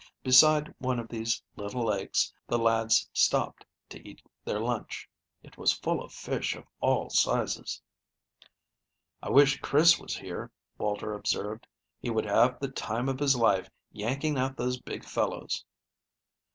Beside one of these little lakes the lads stopped to eat their lunch. It was full of fish of all sizes. "I wish Chris was here," Walter observed. "He would have the time of his life yanking out those big fellows."